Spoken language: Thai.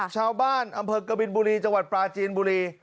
ชาวบ้านอำเภอกบินบุรีจังหวัดปลาจีนบุรี